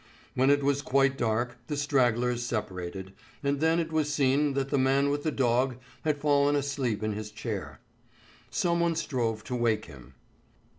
When it was quite dark, the stragglers separated, and then it was seen that the man with the dog had fallen asleep in his chair. Someone strove to wake him.